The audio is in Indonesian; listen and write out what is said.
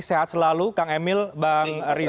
sehat selalu kang emil bang riza